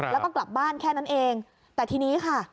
แล้วก็กลับบ้านแค่นั้นเองแต่ทีนี้ค่ะ